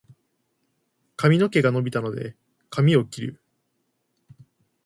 髪の毛が伸びたので、髪を切る。